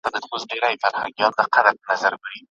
اوس به څوك له قلندره سره ژاړي